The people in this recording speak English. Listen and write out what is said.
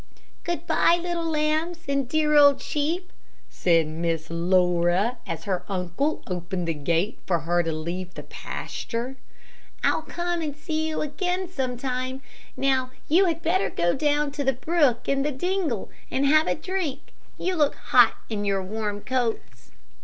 "Good bye, little lambs and dear old sheep," said Miss Laura, as her uncle opened the gate for her to leave the pasture. "I'll come and see you again some time. Now, you had better go down to the brook in the dingle and have a drink. You look hot in your warm coats."